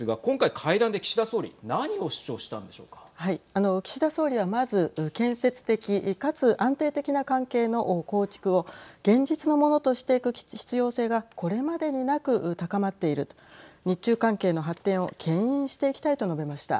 あの岸田総理はまず建設的かつ安定的な関係の構築を現実のものとしていく必要性がこれまでになく高まっていると日中関係の発展をけん引していきたいと述べました。